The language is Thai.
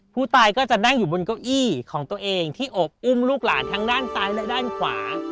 ผู้ตายก็จะนั่งอยู่บนเก้าอี้ของตัวเองที่โอบอุ้มลูกหลานทั้งด้านซ้ายและด้านขวา